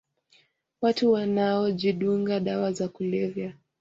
Watu wanaojidunga dawa za kulevya